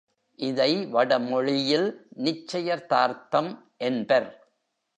இதை வடமொழியில் நிச்சயதார்த்தம் என்பர்.